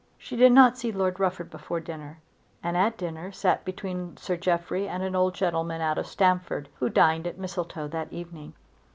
She did not see Lord Rufford before dinner, and at dinner sat between Sir Jeffrey and an old gentleman out of Stamford who dined at Mistletoe that evening.